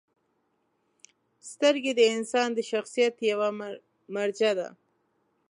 • سترګې د انسان د شخصیت یوه مرجع ده.